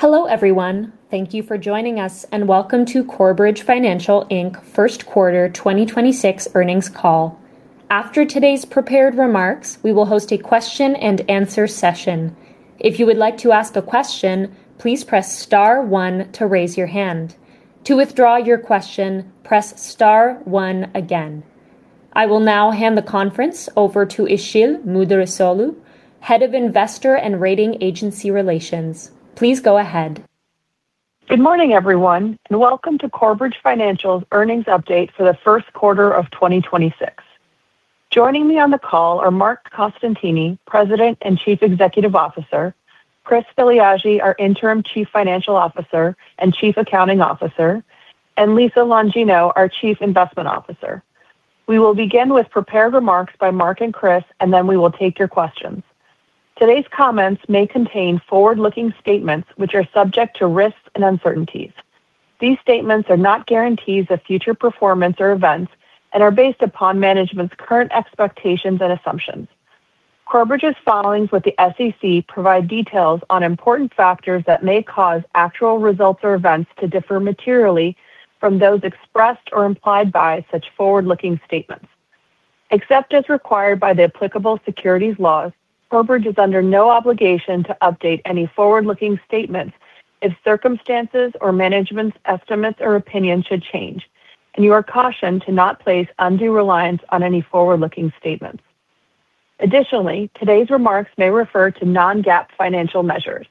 Hello, everyone. Thank you for joining us and welcome to Corebridge Financial, Inc. first quarter 2026 earnings call. After today's prepared remarks, we will host a question and answer session. I will now hand the conference over to Işıl Müderrisoğlu, Head of Investor and Rating Agency Relations. Please go ahead. Good morning, everyone, and welcome to Corebridge Financial's earnings update for the 1st quarter of 2026. Joining me on the call are Marc Costantini, President and Chief Executive Officer, Christopher Filiaggi, our Interim Chief Financial Officer and Chief Accounting Officer, and Lisa Longino, our Chief Investment Officer. We will begin with prepared remarks by Marc and Chris, then we will take your questions. Today's comments may contain forward-looking statements which are subject to risks and uncertainties. These statements are not guarantees of future performance or events and are based upon management's current expectations and assumptions. Corebridge's filings with the SEC provide details on important factors that may cause actual results or events to differ materially from those expressed or implied by such forward-looking statements. Except as required by the applicable securities laws, Corebridge is under no obligation to update any forward-looking statements if circumstances or management's estimates or opinions should change. You are cautioned to not place undue reliance on any forward-looking statements. Additionally, today's remarks may refer to non-GAAP financial measures.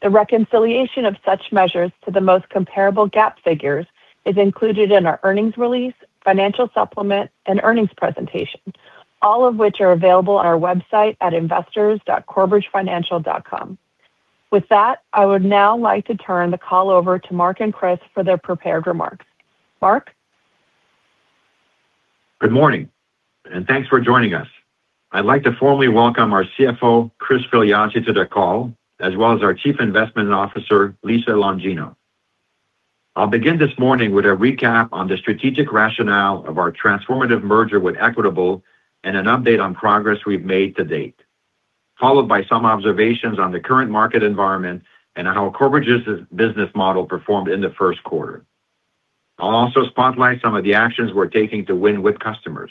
The reconciliation of such measures to the most comparable GAAP figures is included in our earnings release, financial supplement, and earnings presentation, all of which are available on our website at investors.corebridgefinancial.com. With that, I would now like to turn the call over to Marc and Chris for their prepared remarks. Marc. Good morning, and thanks for joining us. I'd like to formally welcome our CFO, Christopher Filiaggi, to the call, as well as our Chief Investment Officer, Lisa Longino. I'll begin this morning with a recap on the strategic rationale of our transformative merger with Equitable and an update on progress we've made to date, followed by some observations on the current market environment and on how Corebridge's business model performed in the first quarter. I'll also spotlight some of the actions we're taking to win with customers.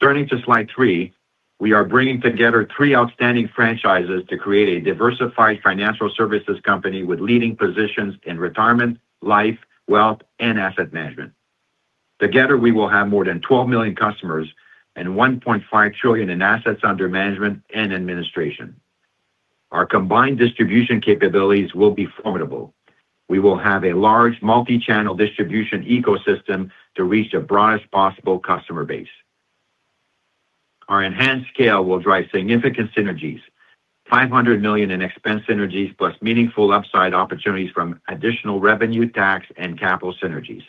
Turning to slide three, we are bringing together three outstanding franchises to create a diversified financial services company with leading positions in retirement, life, wealth, and asset management. Together, we will have more than 12 million customers and 1.5 trillion in assets under management and administration. Our combined distribution capabilities will be formidable. We will have a large multi-channel distribution ecosystem to reach the broadest possible customer base. Our enhanced scale will drive significant synergies, $500 million in expense synergies plus meaningful upside opportunities from additional revenue, tax, and capital synergies.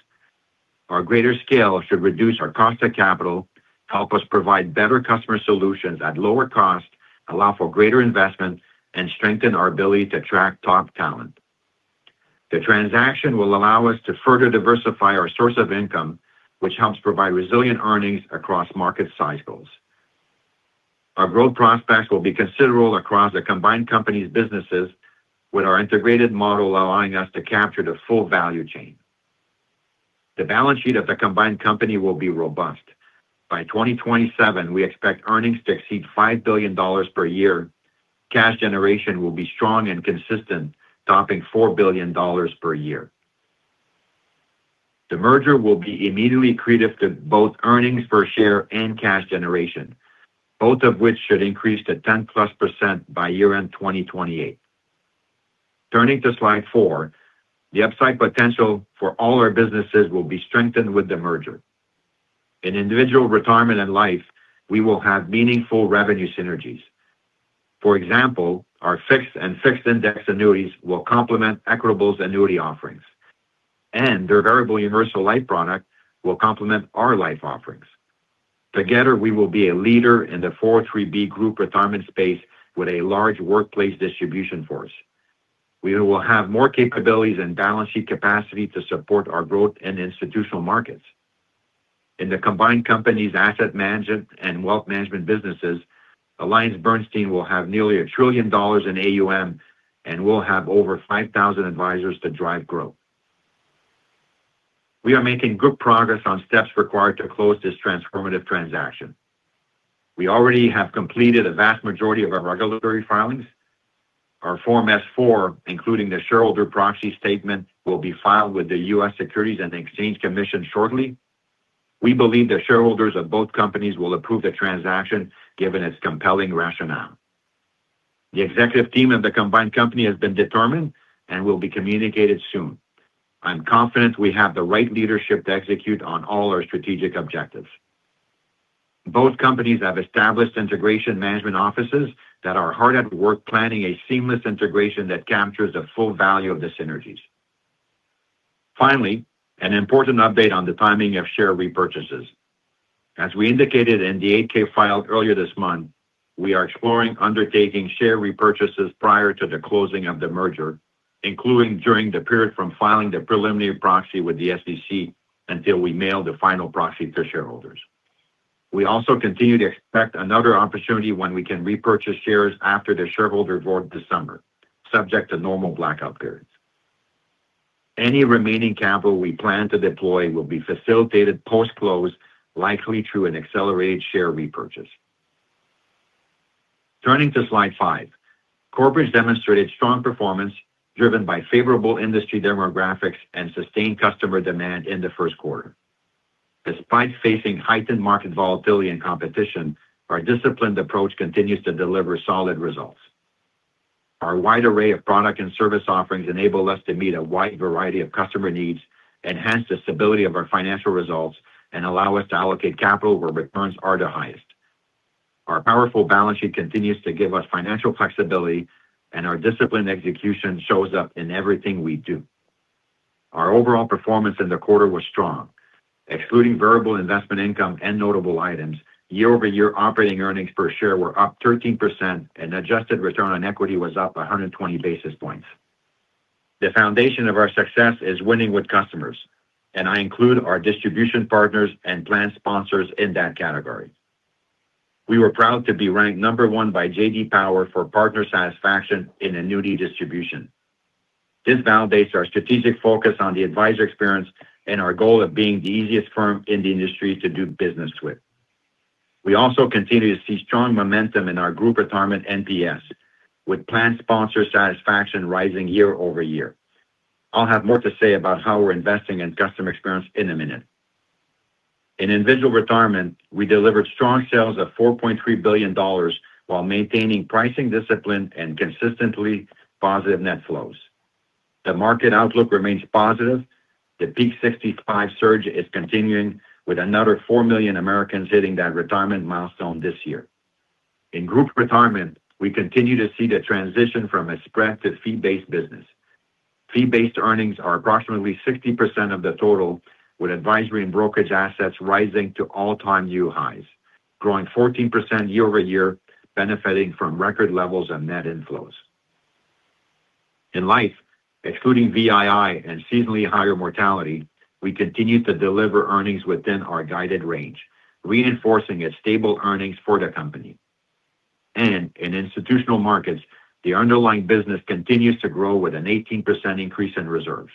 Our greater scale should reduce our cost of capital, help us provide better customer solutions at lower cost, allow for greater investment, and strengthen our ability to attract top talent. The transaction will allow us to further diversify our source of income, which helps provide resilient earnings across market cycles. Our growth prospects will be considerable across the combined company's businesses with our integrated model allowing us to capture the full value chain. The balance sheet of the combined company will be robust. By 2027, we expect earnings to exceed $5 billion per year. Cash generation will be strong and consistent, topping $4 billion per year. The merger will be immediately accretive to both earnings per share and cash generation, both of which should increase to 10+% by year-end 2028. Turning to slide four, the upside potential for all our businesses will be strengthened with the merger. In Individual Retirement and Life, we will have meaningful revenue synergies. For example, our fixed and fixed-indexed annuities will complement Equitable's annuity offerings, and their variable universal life product will complement our life offerings. Together, we will be a leader in the 403(b) Group Retirement space with a large workplace distribution force. We will have more capabilities and balance sheet capacity to support our growth in Institutional Markets. In the combined company's asset management and wealth management businesses, AllianceBernstein will have nearly $1 trillion in AUM, and we'll have over 5,000 advisors to drive growth. We are making good progress on steps required to close this transformative transaction. We already have completed a vast majority of our regulatory filings. Our Form S-4, including the shareholder proxy statement, will be filed with the U.S. Securities and Exchange Commission shortly. We believe the shareholders of both companies will approve the transaction given its compelling rationale. The executive team of the combined company has been determined and will be communicated soon. I'm confident we have the right leadership to execute on all our strategic objectives. Both companies have established integration management offices that are hard at work planning a seamless integration that captures the full value of the synergies. Finally, an important update on the timing of share repurchases. As we indicated in the eight-K filed earlier this month, we are exploring undertaking share repurchases prior to the closing of the merger, including during the period from filing the preliminary proxy with the SEC until we mail the final proxy to shareholders. We also continue to expect another opportunity when we can repurchase shares after the shareholder vote this summer, subject to normal blackout periods. Any remaining capital we plan to deploy will be facilitated post-close, likely through an accelerated share repurchase. Turning to slide five, Corebridge's demonstrated strong performance driven by favorable industry demographics and sustained customer demand in the first quarter. Despite facing heightened market volatility and competition, our disciplined approach continues to deliver solid results. Our wide array of product and service offerings enable us to meet a wide variety of customer needs, enhance the stability of our financial results, and allow us to allocate capital where returns are the highest. Our powerful balance sheet continues to give us financial flexibility, and our disciplined execution shows up in everything we do. Our overall performance in the quarter was strong. Excluding variable investment income and notable items, year-over-year operating earnings per share were up 13% and adjusted return on equity was up 120 basis points. The foundation of our success is winning with customers, and I include our distribution partners and plan sponsors in that category. We were proud to be ranked number one by J.D. Power for partner satisfaction in annuity distribution. This validates our strategic focus on the advisor experience and our goal of being the easiest firm in the industry to do business with. We also continue to see strong momentum in our Group Retirement NPS, with plan sponsor satisfaction rising year-over-year. I'll have more to say about how we're investing in customer experience in a minute. In Individual Retirement, we delivered strong sales of $4.3 billion while maintaining pricing discipline and consistently positive net flows. The market outlook remains positive. The Peak 65 surge is continuing, with another four million Americans hitting that retirement milestone this year. In Group Retirement, we continue to see the transition from a spread to fee-based business. Fee-based earnings are approximately 60% of the total, with advisory and brokerage assets rising to all-time new highs, growing 14% year-over-year, benefiting from record levels of net inflows. In Life Insurance, excluding VII and seasonally higher mortality, we continue to deliver earnings within our guided range, reinforcing a stable earnings for the company. In Institutional Markets, the underlying business continues to grow with an 18% increase in reserves.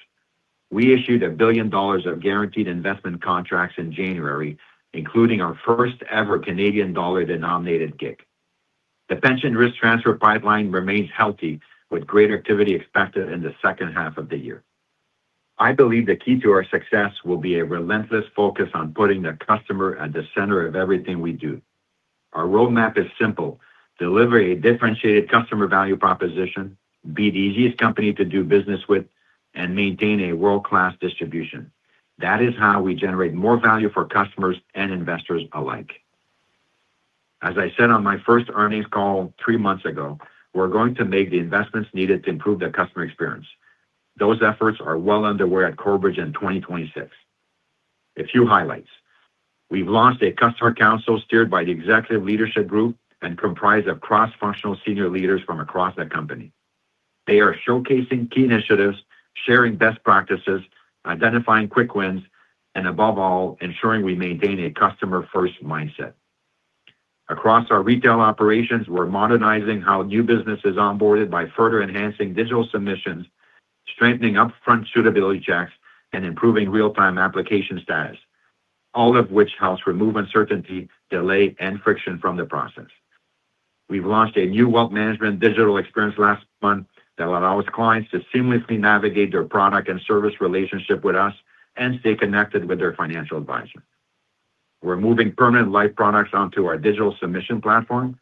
We issued $1 billion of guaranteed investment contracts in January, including our first-ever Canadian dollar-denominated GIC. The pension risk transfer pipeline remains healthy, with greater activity expected in the second half of the year. I believe the key to our success will be a relentless focus on putting the customer at the center of everything we do. Our roadmap is simple, deliver a differentiated customer value proposition, be the easiest company to do business with, and maintain a world-class distribution. That is how we generate more value for customers and investors alike. As I said on my first earnings call three months ago, we're going to make the investments needed to improve the customer experience. Those efforts are well underway at Corebridge in 2026. A few highlights. We've launched a customer council steered by the executive leadership group and comprised of cross-functional senior leaders from across the company. They are showcasing key initiatives, sharing best practices, identifying quick wins, and above all, ensuring we maintain a customer-first mindset. Across our retail operations, we're modernizing how new business is onboarded by further enhancing digital submissions, strengthening upfront suitability checks, and improving real-time application status, all of which helps remove uncertainty, delay, and friction from the process. We've launched a new wealth management digital experience last month that allows clients to seamlessly navigate their product and service relationship with us and stay connected with their financial advisor. We're moving permanent life products onto our digital submission platform,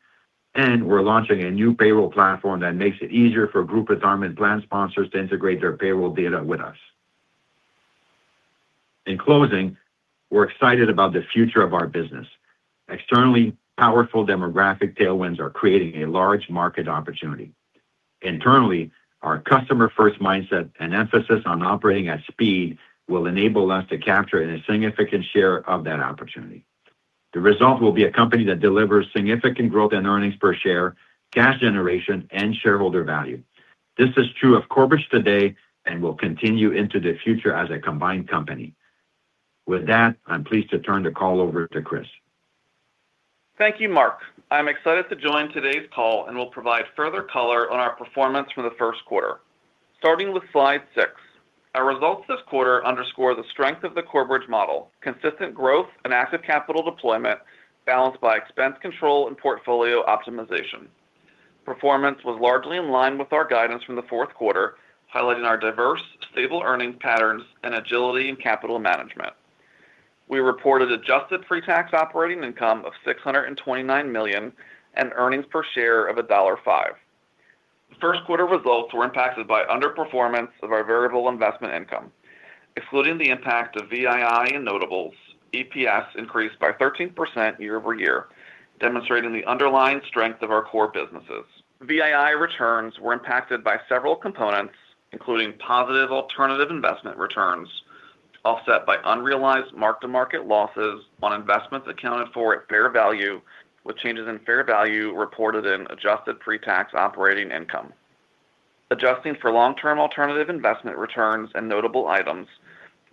and we're launching a new payroll platform that makes it easier for Group Retirement plan sponsors to integrate their payroll data with us. In closing, we're excited about the future of our business. Externally, powerful demographic tailwinds are creating a large market opportunity. Internally, our customer-first mindset and emphasis on operating at speed will enable us to capture a significant share of that opportunity. The result will be a company that delivers significant growth in earnings per share, cash generation, and shareholder value. This is true of Corebridge today and will continue into the future as a combined company. With that, I'm pleased to turn the call over to Chris. Thank you, Marc. I'm excited to join today's call and will provide further color on our performance for the first quarter. Starting with slide 6, our results this quarter underscore the strength of the Corebridge model, consistent growth and active capital deployment balanced by expense control and portfolio optimization. Performance was largely in line with our guidance from the fourth quarter, highlighting our diverse, stable earnings patterns and agility in capital management. We reported adjusted pretax operating income of $629 million and earnings per share of $1.05. First quarter results were impacted by underperformance of our variable investment income. Excluding the impact of VII and notables, EPS increased by 13% year-over-year, demonstrating the underlying strength of our core businesses. VII returns were impacted by several components, including positive alternative investment returns, offset by unrealized mark-to-market losses on investments accounted for at fair value, with changes in fair value reported in adjusted pre-tax operating income. Adjusting for long-term alternative investment returns and notable items,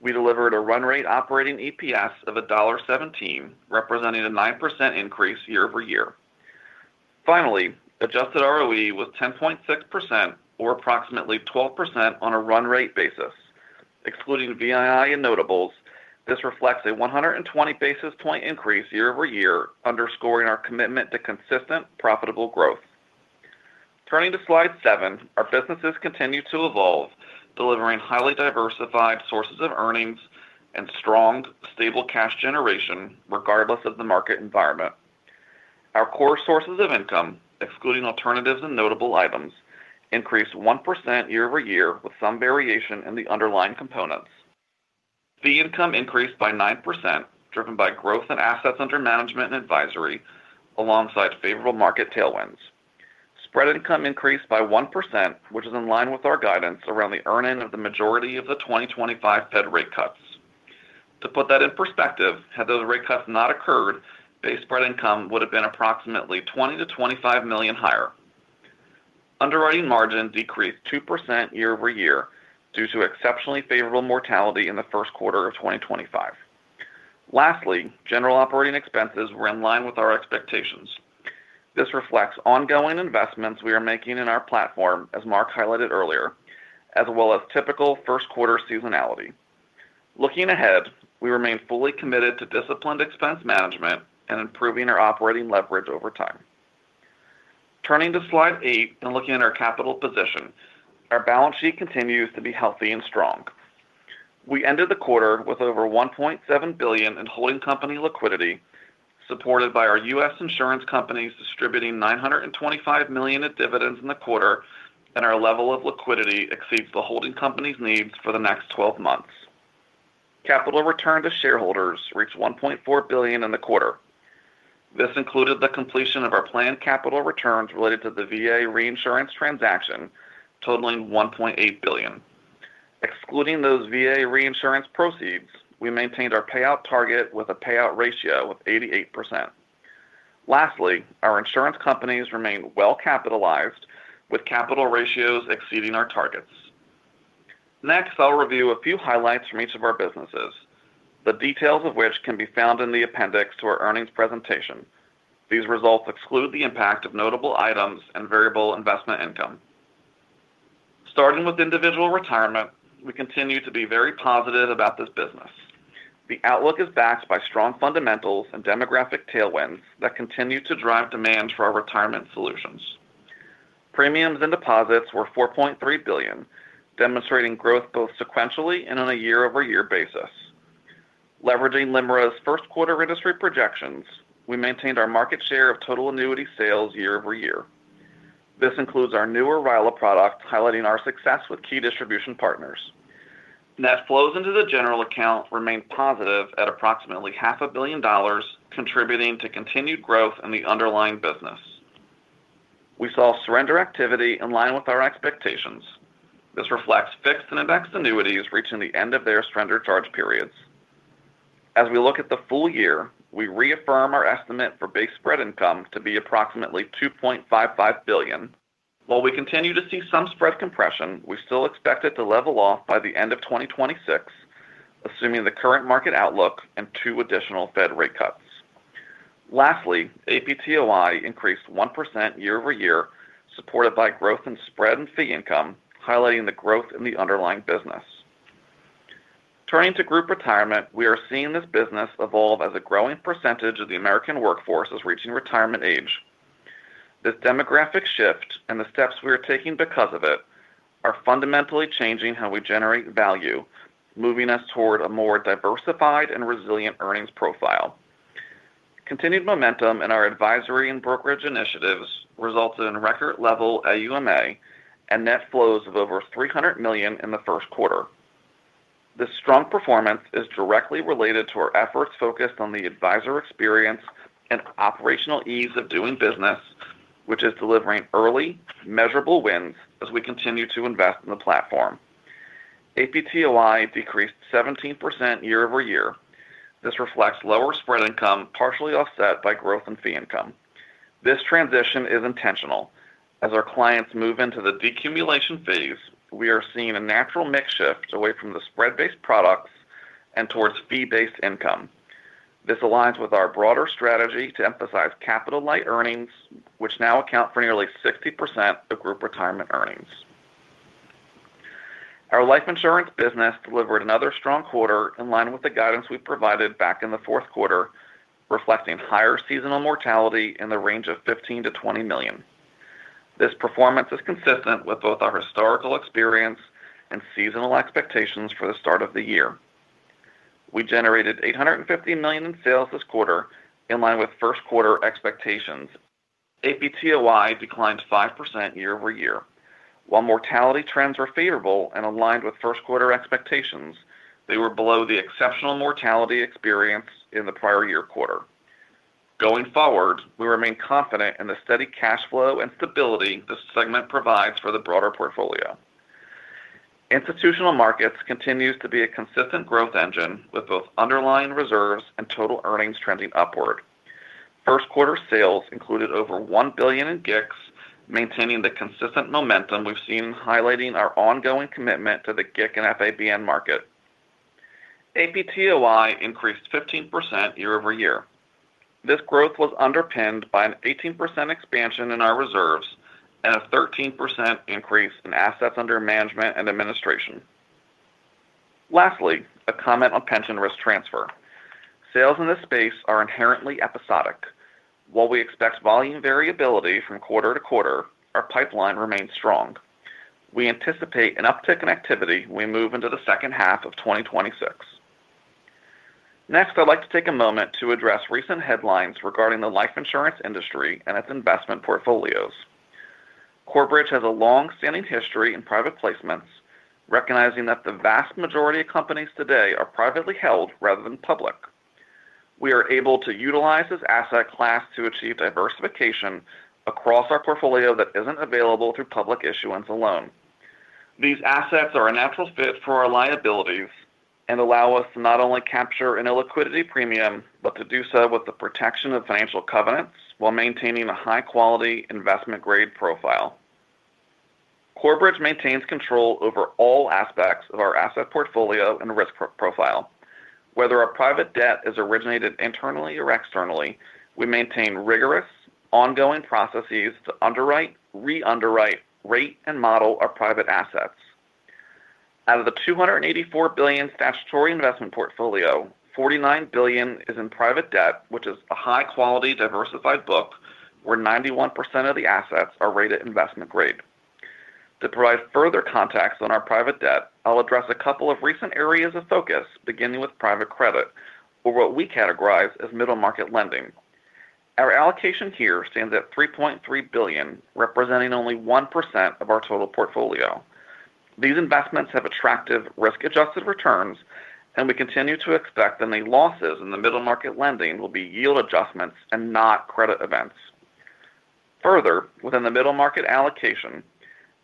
we delivered a run rate operating EPS of $1.17, representing a 9% increase year-over-year. Finally, adjusted ROE was 10.6% or approximately 12% on a run rate basis. Excluding VII and notables, this reflects a 120 basis point increase year-over-year, underscoring our commitment to consistent profitable growth. Turning to slide 7, our businesses continue to evolve, delivering highly diversified sources of earnings and strong, stable cash generation regardless of the market environment. Our core sources of income, excluding alternatives and notable items, increased 1% year-over-year with some variation in the underlying components. Fee income increased by 9%, driven by growth in assets under management and advisory alongside favorable market tailwinds. Spread income increased by 1%, which is in line with our guidance around the earning of the majority of the 2025 Fed rate cuts. To put that in perspective, had those rate cuts not occurred, base spread income would have been approximately $20 million-$25 million higher. Underwriting margin decreased 2% year-over-year due to exceptionally favorable mortality in the first quarter of 2025. Lastly, general operating expenses were in line with our expectations. This reflects ongoing investments we are making in our platform, as Marc highlighted earlier, as well as typical first quarter seasonality. Looking ahead, we remain fully committed to disciplined expense management and improving our operating leverage over time. Turning to slide eight and looking at our capital position, our balance sheet continues to be healthy and strong. We ended the quarter with over $1.7 billion in holding company liquidity, supported by our U.S. insurance companies distributing $925 million in dividends in the quarter. Our level of liquidity exceeds the holding company's needs for the next 12 months. Capital return to shareholders reached $1.4 billion in the quarter. This included the completion of our planned capital returns related to the VA reinsurance transaction, totaling $1.8 billion. Excluding those VA reinsurance proceeds, we maintained our payout target with a payout ratio of 88%. Lastly, our insurance companies remain well-capitalized with capital ratios exceeding our targets. Next, I'll review a few highlights from each of our businesses, the details of which can be found in the appendix to our earnings presentation. These results exclude the impact of notable items and variable investment income. Starting with Individual Retirement, we continue to be very positive about this business. The outlook is backed by strong fundamentals and demographic tailwinds that continue to drive demand for our retirement solutions. Premiums and deposits were $4.3 billion, demonstrating growth both sequentially and on a year-over-year basis. Leveraging LIMRA's first quarter industry projections, we maintained our market share of total annuity sales year-over-year. This includes our newer RILA products, highlighting our success with key distribution partners. Net flows into the general account remained positive at approximately half a billion dollars, contributing to continued growth in the underlying business. We saw surrender activity in line with our expectations. This reflects fixed and indexed annuities reaching the end of their surrender charge periods. As we look at the full year, we reaffirm our estimate for base spread income to be approximately $2.55 billion. While we continue to see some spread compression, we still expect it to level off by the end of 2026, assuming the current market outlook and two additional Fed rate cuts. Lastly, APTOI increased 1% year-over-year, supported by growth in spread and fee income, highlighting the growth in the underlying business. Turning to Group Retirement, we are seeing this business evolve as a growing percentage of the American workforce is reaching retirement age. This demographic shift and the steps we are taking because of it are fundamentally changing how we generate value, moving us toward a more diversified and resilient earnings profile. Continued momentum in our advisory and brokerage initiatives resulted in record level AUMA and net flows of over $300 million in the first quarter. This strong performance is directly related to our efforts focused on the advisor experience and operational ease of doing business, which is delivering early measurable wins as we continue to invest in the platform. APTOI decreased 17% year-over-year. This reflects lower spread income, partially offset by growth in fee income. This transition is intentional. As our clients move into the decumulation phase, we are seeing a natural mix shift away from the spread-based products and towards fee-based income. This aligns with our broader strategy to emphasize capital-light earnings, which now account for nearly 60% of Group Retirement earnings. Our Life Insurance business delivered another strong quarter in line with the guidance we provided back in the fourth quarter, reflecting higher seasonal mortality in the range of $15 million-$20 million. This performance is consistent with both our historical experience and seasonal expectations for the start of the year. We generated $850 million in sales this quarter in line with first quarter expectations. APTOI declined 5% year-over-year. While mortality trends were favorable and aligned with first quarter expectations, they were below the exceptional mortality experience in the prior year quarter. Going forward, we remain confident in the steady cash flow and stability this segment provides for the broader portfolio. Institutional Markets continues to be a consistent growth engine with both underlying reserves and total earnings trending upward. First quarter sales included over $1 billion in GICs, maintaining the consistent momentum we've seen highlighting our ongoing commitment to the GIC and FABN market. APTOI increased 15% year-over-year. This growth was underpinned by an 18% expansion in our reserves and a 13% increase in assets under management and administration. Lastly, a comment on pension risk transfer. Sales in this space are inherently episodic. While we expect volume variability from quarter to quarter, our pipeline remains strong. We anticipate an uptick in activity we move into the second half of 2026. Next, I'd like to take a moment to address recent headlines regarding the life insurance industry and its investment portfolios. Corebridge has a long-standing history in private placements, recognizing that the vast majority of companies today are privately held rather than public. We are able to utilize this asset class to achieve diversification across our portfolio that isn't available through public issuance alone. These assets are a natural fit for our liabilities and allow us to not only capture an illiquidity premium, but to do so with the protection of financial covenants while maintaining a high-quality investment grade profile. Corebridge maintains control over all aspects of our asset portfolio and risk profile. Whether our private debt is originated internally or externally, we maintain rigorous ongoing processes to underwrite, re-underwrite, rate, and model our private assets. Out of the $284 billion statutory investment portfolio, $49 billion is in private debt, which is a high-quality diversified book where 91% of the assets are rated investment grade. To provide further context on our private debt, I'll address a couple of recent areas of focus, beginning with private credit or what we categorize as middle market lending. Our allocation here stands at $3.3 billion, representing only 1% of our total portfolio. These investments have attractive risk-adjusted returns, and we continue to expect any losses in the middle market lending will be yield adjustments and not credit events. Further, within the middle market allocation,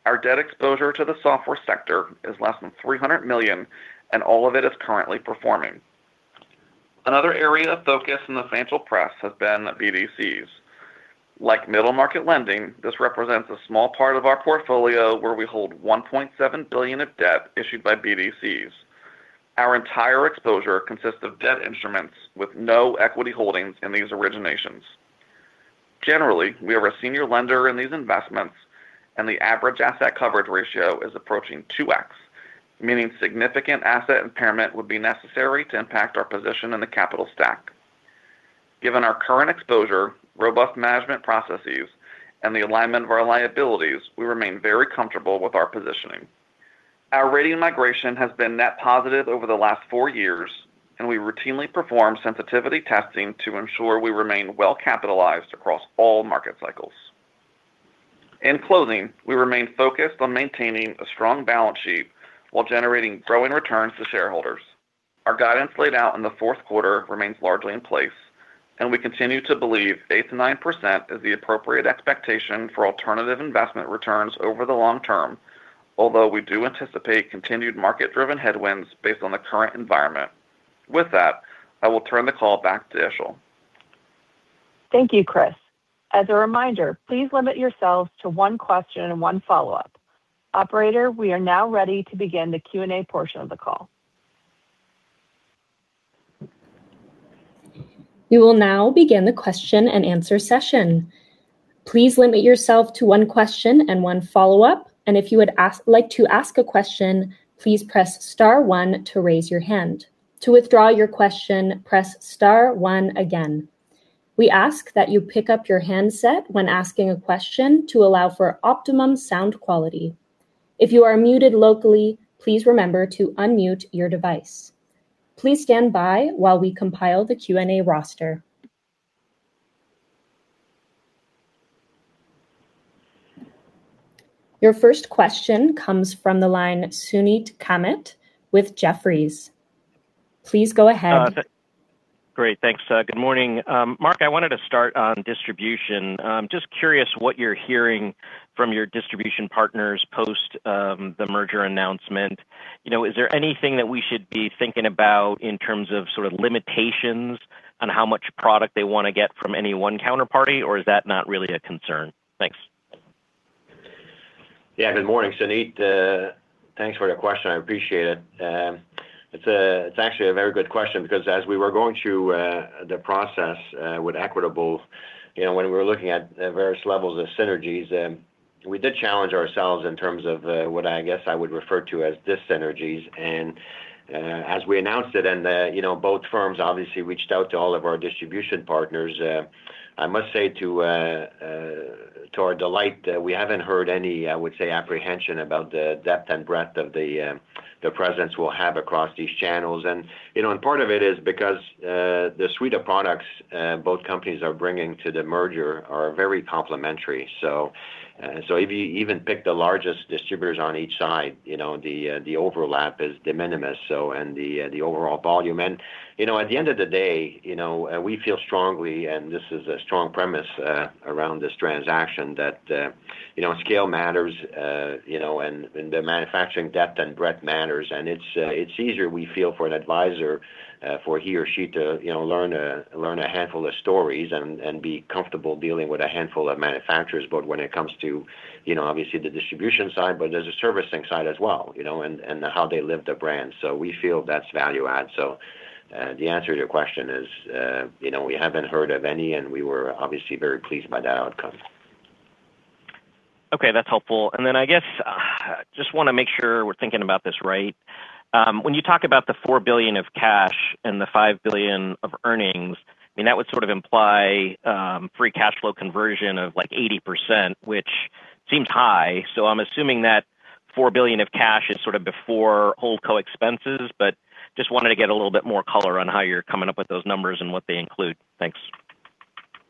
our debt exposure to the software sector is less than $300 million, and all of it is currently performing. Another area of focus in the financial press has been BDCs. Like middle market lending, this represents a small part of our portfolio where we hold $1.7 billion of debt issued by BDCs. Our entire exposure consists of debt instruments with no equity holdings in these originations. Generally, we are a senior lender in these investments, the average asset coverage ratio is approaching 2x, meaning significant asset impairment would be necessary to impact our position in the capital stack. Given our current exposure, robust management processes, and the alignment of our liabilities, we remain very comfortable with our positioning. Our rating migration has been net positive over the last four years, we routinely perform sensitivity testing to ensure we remain well-capitalized across all market cycles. In closing, we remain focused on maintaining a strong balance sheet while generating growing returns to shareholders. Our guidance laid out in the fourth quarter remains largely in place, we continue to believe 8%-9% is the appropriate expectation for alternative investment returns over the long term. We do anticipate continued market-driven headwinds based on the current environment. With that, I will turn the call back to Işıl Müderrisoğlu. Thank you, Chris. As a reminder, please limit yourselves to one question and one follow-up. Operator, we are now ready to begin the Q&A portion of the call. Your first question comes from the line Suneet Kamath with Jefferies. Please go ahead. Great. Thanks. Good morning. Marc, I wanted to start on distribution. Just curious what you're hearing from your distribution partners post the merger announcement. You know, is there anything that we should be thinking about in terms of sort of limitations on how much product they wanna get from any one counterparty, or is that not really a concern? Thanks. Yeah. Good morning, Suneet. Thanks for your question. I appreciate it. It's actually a very good question because as we were going through the process with Equitable, you know, when we were looking at various levels of synergies, we did challenge ourselves in terms of what I guess I would refer to as dyssynergies. As we announced it, you know, both firms obviously reached out to all of our distribution partners. I must say to our delight, we haven't heard any, I would say, apprehension about the depth and breadth of the presence we'll have across these channels. You know, part of it is because the suite of products both companies are bringing to the merger are very complementary. If you even pick the largest distributors on each side, you know, the overlap is de minimis, and the overall volume. You know, at the end of the day, you know, we feel strongly, and this is a strong premise, around this transaction, that, you know, scale matters, you know, and the manufacturing depth and breadth matters. It's easier, we feel, for an advisor, for he or she to, you know, learn a handful of stories and be comfortable dealing with a handful of manufacturers. When it comes to, you know, obviously the distribution side, there's a servicing side as well, you know, and how they live their brand. We feel that's value add. The answer to your question is, you know, we haven't heard of any, and we were obviously very pleased by that outcome. Okay, that's helpful. Then I guess, just wanna make sure we're thinking about this right. When you talk about the $4 billion of cash and the $5 billion of earnings, I mean, that would sort of imply, free cashflow conversion of, like, 80%, which seems high. I'm assuming that $4 billion of cash is sort of before holdco expenses. Just wanted to get a little bit more color on how you're coming up with those numbers and what they include. Thanks.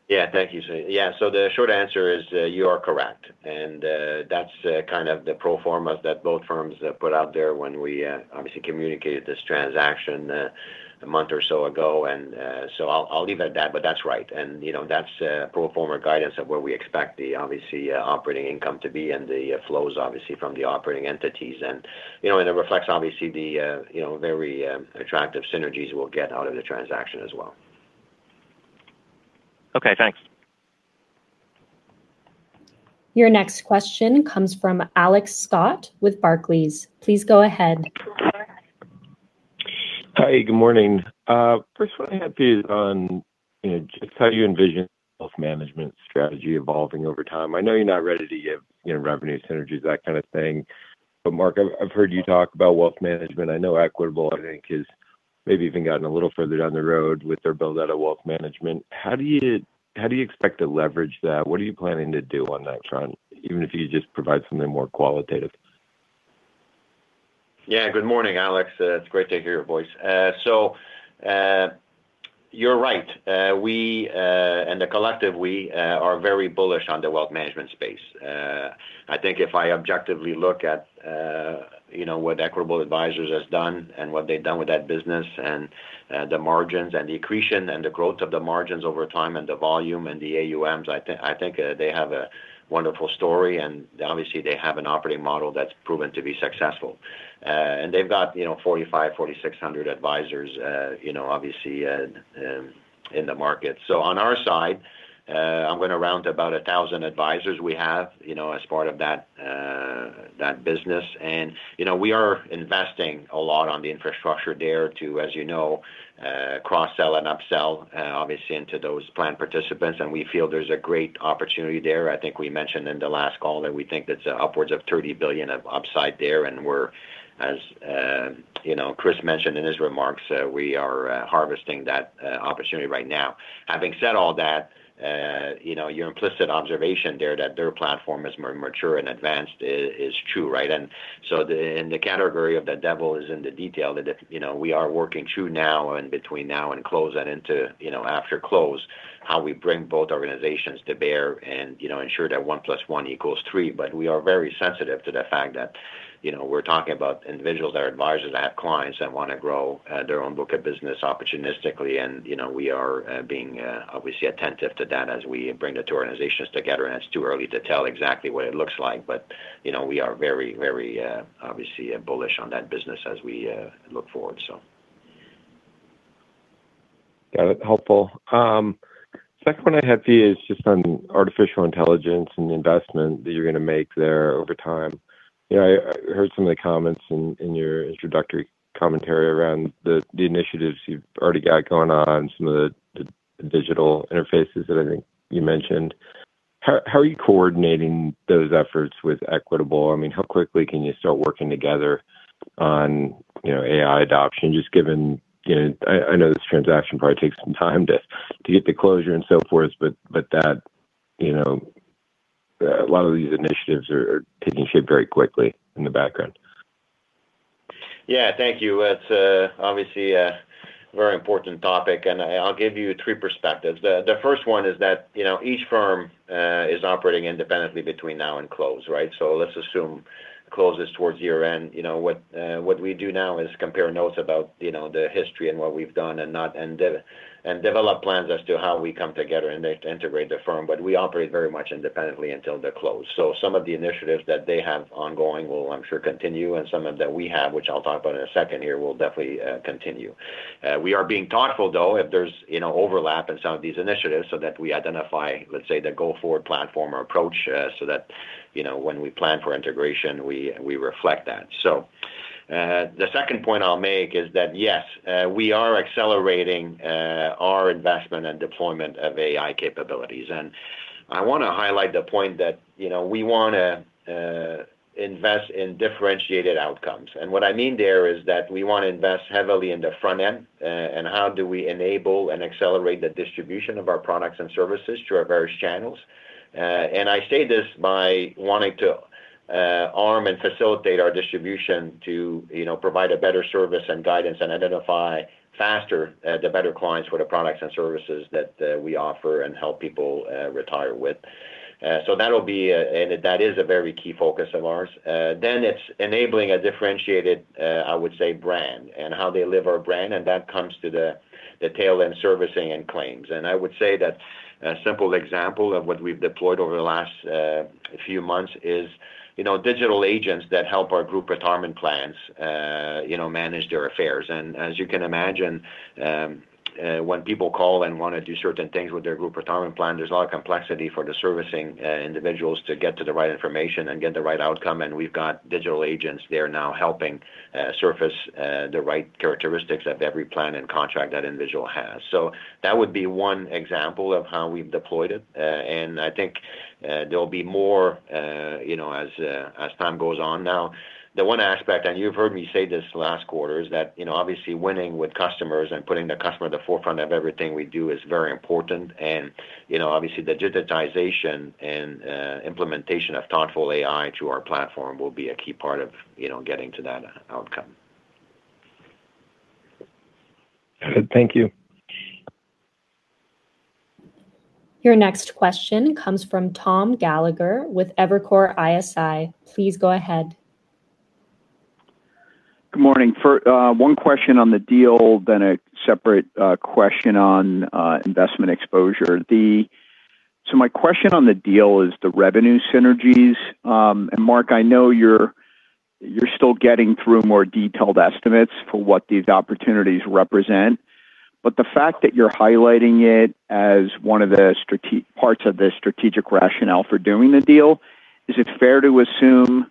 Yeah, thank you, Say. Yeah, the short answer is, you are correct. That's kind of the pro formas that both firms put out there when we obviously communicated this transaction a month or so ago. I'll leave it at that. That's right, you know, that's pro forma guidance of where we expect the obviously operating income to be and the flows obviously from the operating entities. You know, it reflects obviously the, you know, very attractive synergies we'll get out of the transaction as well. Okay, thanks. Your next question comes from Alex Scott with Barclays. Please go ahead. Hi, good morning. First one I had for you is on, you know, just how you envision wealth management strategy evolving over time. I know you're not ready to give, you know, revenue synergies, that kind of thing. Marc, I've heard you talk about wealth management. I know Equitable, I think, has maybe even gotten a little further down the road with their build out of wealth management. How do you expect to leverage that? What are you planning to do on that front? Even if you just provide something more qualitative. Yeah, good morning, Alex. It's great to hear your voice. You're right. We, and the collective we, are very bullish on the wealth management space. I think if I objectively look at, you know, what Equitable Advisors has done and what they've done with that business and the margins and the accretion and the growth of the margins over time and the volume and the AUMs, I think they have a wonderful story, and obviously they have an operating model that's proven to be successful. And they've got, you know, 4,500-4,600 advisors, you know, obviously, in the market. On our side, I'm gonna round to about 1,000 advisors we have, you know, as part of that business. You know, we are investing a lot on the infrastructure there to, as you know, cross-sell and up-sell, obviously into those plan participants, and we feel there's a great opportunity there. I think we mentioned in the last call that we think that's upwards of $30 billion of upside there, and we're as, you know, Chris mentioned in his remarks, we are harvesting that opportunity right now. Having said all that, you know, your implicit observation there that their platform is more mature and advanced is true, right? The, in the category of the devil is in the detail that if, you know, we are working through now and between now and close and into, you know, after close, how we bring both organizations to bear and, you know, ensure that one plus one equals three. We are very sensitive to the fact that, you know, we're talking about individuals that are advisors that have clients that wanna grow their own book of business opportunistically. You know, we are being obviously attentive to that as we bring the two organizations together. It's too early to tell exactly what it looks like. You know, we are very obviously bullish on that business as we look forward. Got it. Helpful. Second one I had for you is just on artificial intelligence and the investment that you're gonna make there over time. You know, I heard some of the comments in your introductory commentary around the initiatives you've already got going on, some of the digital interfaces that I think you mentioned. How, how are you coordinating those efforts with Equitable? I mean, how quickly can you start working together on, you know, AI adoption, just given, you know I know this transaction probably takes some time to get the closure and so forth, but that, you know, a lot of these initiatives are taking shape very quickly in the background. Yeah. Thank you. That's, obviously a very important topic, and I'll give you three perspectives. The, the first one is that, you know, each firm, is operating independently between now and close, right? Let's assume close is towards year-end. You know, what we do now is compare notes about, you know, the history and what we've done and not, and develop plans as to how we come together and they integrate the firm. We operate very much independently until the close. Some of the initiatives that they have ongoing will, I'm sure, continue, and some of that we have, which I'll talk about in a second here, will definitely, continue. We are being thoughtful though, if there's, you know, overlap in some of these initiatives so that we identify, let's say, the go forward platform or approach, so that, you know, when we plan for integration, we reflect that. The second point I'll make is that, yes, we are accelerating our investment and deployment of AI capabilities. I wanna highlight the point that, you know, we wanna invest in differentiated outcomes. What I mean there is that we wanna invest heavily in the front end, and how do we enable and accelerate the distribution of our products and services through our various channels. And I say this by wanting to arm and facilitate our distribution to, you know, provide a better service and guidance and identify faster, the better clients for the products and services that we offer and help people retire with. That is a very key focus of ours. It's enabling a differentiated, I would say brand, and how they live our brand, and that comes to the tail-end servicing and claims. I would say that a simple example of what we've deployed over the last few months is, you know, digital agents that help our Group Retirement plans, you know, manage their affairs. As you can imagine, when people call and want to do certain things with their Group Retirement plan, there's a lot of complexity for the servicing individuals to get to the right information and get the right outcome. We've got digital agents there now helping surface the right characteristics of every plan and contract that individual has. That would be one example of how we've deployed it. I think there'll be more, you know, as time goes on. The one aspect, you've heard me say this last quarter, is that, you know, obviously winning with customers and putting the customer at the forefront of everything we do is very important. You know, obviously, the digitization and implementation of thoughtful AI to our platform will be a key part of, you know, getting to that outcome. Good. Thank you. Your next question comes from Thomas Gallagher with Evercore ISI. Please go ahead. Good morning. One question on the deal, then a separate question on investment exposure. My question on the deal is the revenue synergies. Marc, I know you're still getting through more detailed estimates for what these opportunities represent, but the fact that you're highlighting it as one of the parts of the strategic rationale for doing the deal, is it fair to assume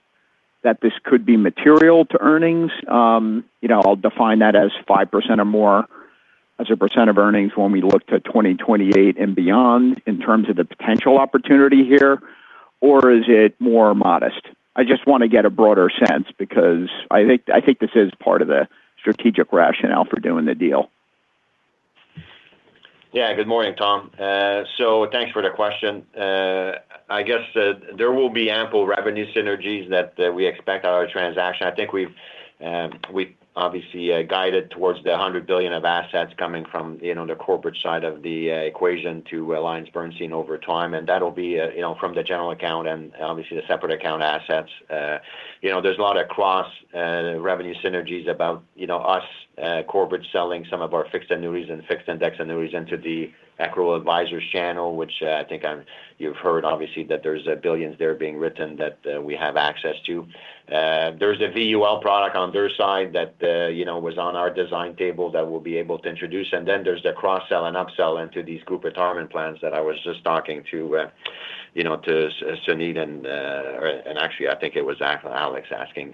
that this could be material to earnings? You know, I'll define that as 5% or more as a percent of earnings when we look to 2028 and beyond in terms of the potential opportunity here, or is it more modest? I just wanna get a broader sense because I think this is part of the strategic rationale for doing the deal. Yeah. Good morning, Tom. Thanks for the question. I guess, there will be ample revenue synergies that we expect out of transaction. I think we've, we obviously guided towards the $100 billion of assets coming from, you know, the corporate side of the equation to AllianceBernstein over time, and that'll be, you know, from the general account and obviously the separate account assets. You know, there's a lot of cross revenue synergies about, you know, us, corporate selling some of our fixed annuities and fixed-indexed annuities into the Equitable Advisors channel, which, I think, you've heard obviously that there's dollar billions there being written that we have access to. There's a VUL product on their side that, you know, was on our design table that we'll be able to introduce, and then there's the cross-sell and up-sell into these Group Retirement plans that I was just talking to, you know, to Suneet Kamath, or actually, I think it was Alex Scott asking.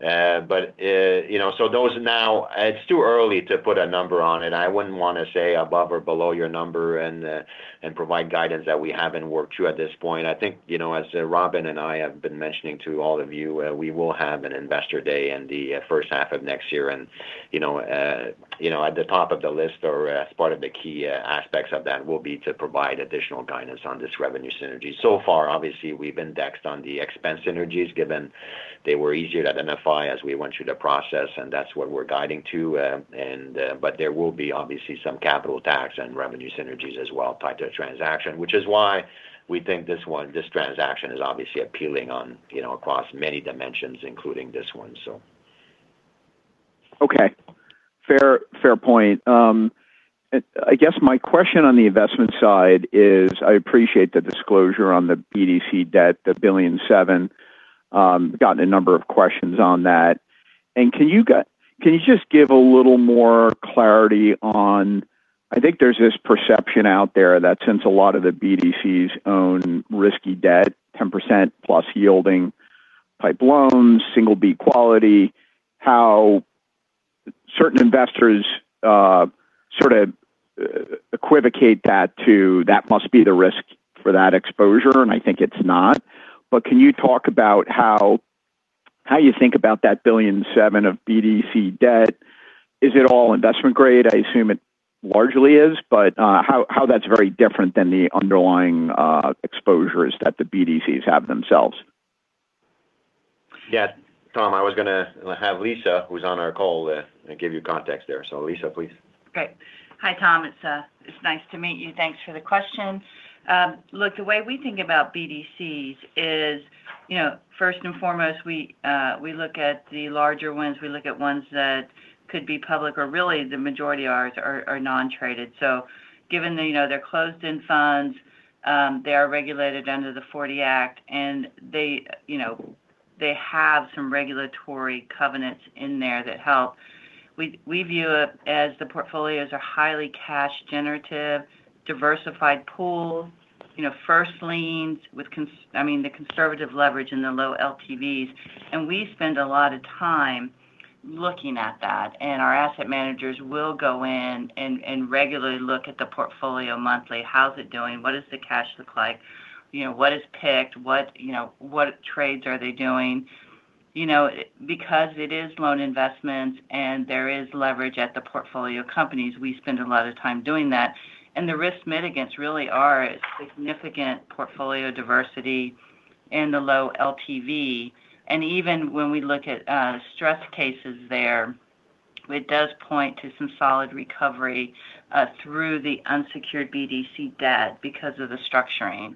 You know, it's too early to put a number on it. I wouldn't wanna say above or below your number and provide guidance that we haven't worked through at this point. I think, you know, as Robin and I have been mentioning to all of you, we will have an investor day in the first half of next year. You know, you know, at the top of the list or as part of the key aspects of that will be to provide additional guidance on this revenue synergy. So far, obviously, we've indexed on the expense synergies given they were easier to identify as we went through the process, and that's what we're guiding to. There will be obviously some capital tax and revenue synergies as well tied to the transaction, which is why we think this one, this transaction is obviously appealing on, you know, across many dimensions, including this one. Okay. Fair, fair point. I guess my question on the investment side is, I appreciate the disclosure on the BDC debt, the $1.7 billion. Gotten a number of questions on that. Can you just give a little more clarity on I think there's this perception out there that since a lot of the BDCs own risky debt, 10% plus yielding type loans, single B quality, how certain investors sorta equivocate that to, "That must be the risk for that exposure," and I think it's not. Can you talk about how you think about that $1.7 billion of BDC debt? Is it all investment grade? I assume it largely is, but how that's very different than the underlying exposures that the BDCs have themselves. Yeah. Tom, I was gonna have Lisa, who's on our call, give you context there. Lisa, please. Great. Hi, Tom. It's nice to meet you. Thanks for the question. Look, the way we think about BDCs is, you know, first and foremost, we look at the larger ones. We look at ones that could be public or really the majority of ours are non-traded. Given that, you know, they're closed-end funds, they are regulated under the '40 Act, and they, you know, they have some regulatory covenants in there that help. We view it as the portfolios are highly cash generative, diversified pool, you know, first liens with I mean, the conservative leverage and the low LTVs. We spend a lot of time looking at that, and our asset managers will go in and regularly look at the portfolio monthly. How's it doing? What does the cash look like? You know, what is picked? What, you know, what trades are they doing? You know, because it is loan investments and there is leverage at the portfolio companies, we spend a lot of time doing that. The risk mitigants really are significant portfolio diversity and the low LTV. Even when we look at stress cases there, it does point to some solid recovery through the unsecured BDC debt because of the structuring.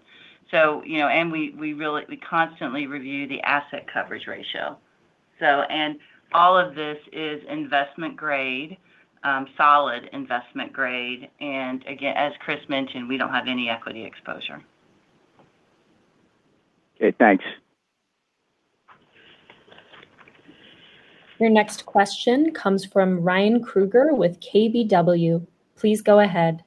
You know, we really constantly review the asset coverage ratio. All of this is investment grade, solid investment grade. Again, as Chris mentioned, we don't have any equity exposure. Okay, thanks. Your next question comes from Ryan Krueger with KBW. Please go ahead.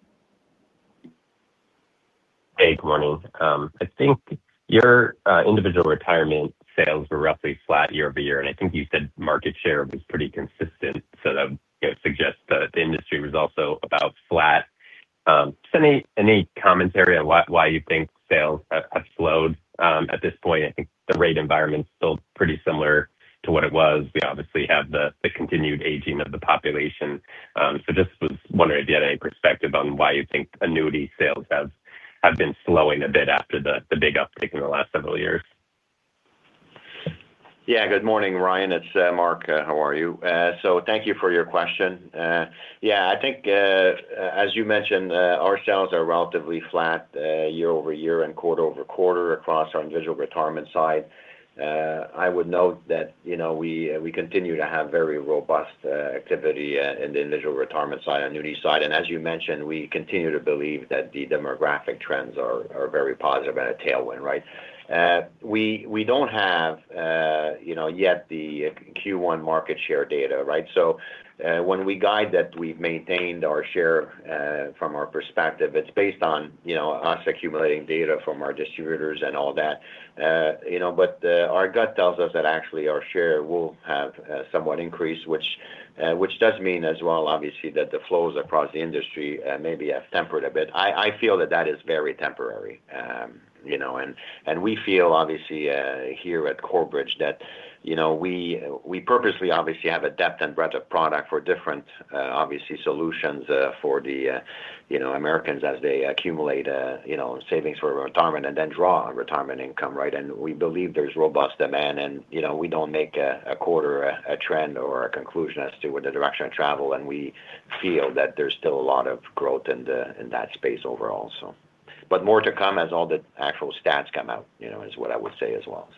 Hey, good morning. I think your Individual Retirement sales were roughly flat year-over-year, and I think you said market share was pretty consistent. That, you know, suggests that the industry was also about flat. Just any commentary on why you think sales have slowed at this point? I think the rate environment's still pretty similar to what it was. We obviously have the continued aging of the population. Just was wondering if you had any perspective on why you think annuity sales have been slowing a bit after the big uptick in the last several years. Yeah. Good morning, Ryan. It's Mark. How are you? Thank you for your question. Yeah, I think, as you mentioned, our sales are relatively flat year-over-year and quarter-over-quarter across our Individual Retirement side. I would note that, you know, we continue to have very robust activity in the Individual Retirement side, annuity side. As you mentioned, we continue to believe that the demographic trends are very positive and a tailwind, right? We don't have, you know, yet the Q1 market share data, right? When we guide that we've maintained our share, from our perspective, it's based on, you know, us accumulating data from our distributors and all that. You know, our gut tells us that actually our share will have somewhat increased, which does mean as well, obviously, that the flows across the industry maybe have tempered a bit. I feel that that is very temporary. You know, we feel obviously here at Corebridge that, you know, we purposely obviously have a depth and breadth of product for different obviously solutions for the, you know, Americans as they accumulate, you know, savings for retirement and then draw retirement income, right? We believe there's robust demand and, you know, we don't make a quarter a trend or a conclusion as to what the direction of travel, and we feel that there's still a lot of growth in that space overall. More to come as all the actual stats come out, you know, is what I would say as well.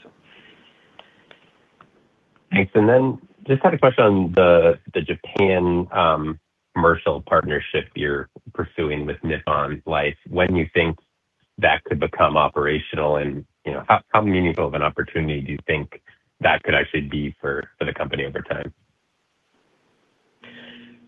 Thanks. Then just had a question on the Japan commercial partnership you're pursuing with Nippon Life. When do you think that could become operational? You know, how meaningful of an opportunity do you think that could actually be for the company over time?